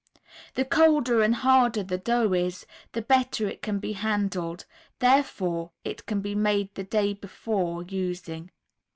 The colder and harder the dough is, the better it can be handled; therefore it can be made the day before using.